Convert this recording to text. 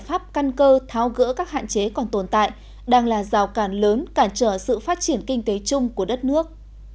giải pháp căn cơ tháo gỡ các hạn chế còn tồn tại đang là rào cản lớn cản trở sự phát triển kinh tế chung của đất nước